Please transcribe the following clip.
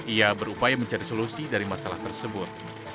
ia berupaya mencari solusi dari masalah tersebut